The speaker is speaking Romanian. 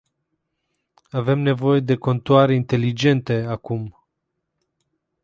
Avem nevoie de contoare inteligente acum.